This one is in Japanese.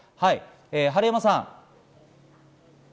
治山さん。